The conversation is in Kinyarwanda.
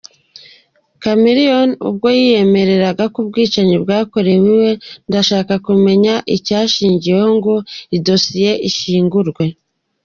Chameleone ubwo yiyemereye ko ubwicanyi bwakorewe iwe, ndashaka kumenya icyashingiwemo ngo idosiye ishyingurwe”.